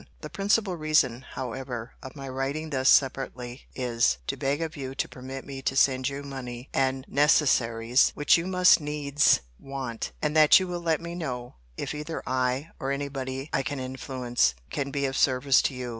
The principal reason, however, of my writing thus separately is, to beg of you to permit me to send you money and necessaries, which you must needs want; and that you will let me know, if either I, or any body I can influence, can be of service to you.